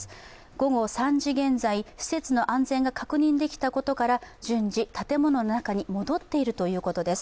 午後３時現在、施設の安全が確認できたことから順次、建物の中に戻っているということです